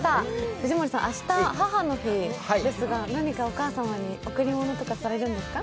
藤森さん、明日、母の日ですが何かお母様に贈り物とかされるんですか？